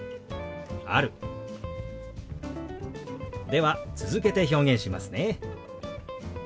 では続けて表現しますね。